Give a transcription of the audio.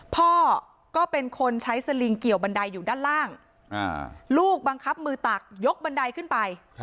พ่อก็เป็นคนใช้สลิงเกี่ยวบันไดอยู่ด้านล่างลูกบังคับมือตักยกบันไดขึ้นไป